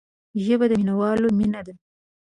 ژبه د مینوالو مینه ده